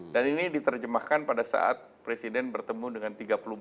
dan ini diterjemahkan pada saat presiden bertemu dengan pak presiden